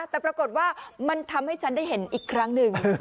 แต่ปรากฏว่ามันทำให้ฉันได้เห็นอีกครั้งหนึ่ง